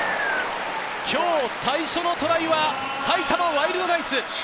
今日、最初のトライは埼玉ワイルドナイツ！